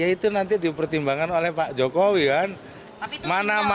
ya itu nanti dipertimbangkan oleh pak jokowi kan